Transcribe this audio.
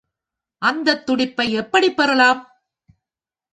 அந்தத் துடிப்பை எப்படிப் பெறலாம்?